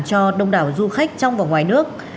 cho đông đảo du khách trong và ngoài nước